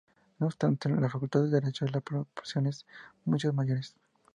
No obstante, la Facultad de Derecho es de proporciones mucho mayores.